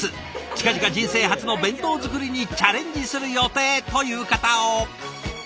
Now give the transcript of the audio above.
「近々人生初の弁当作りにチャレンジする予定」という方を！